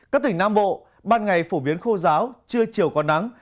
các tỉnh nam bộ ban ngày phổ biến khô giáo trưa chiều có nắng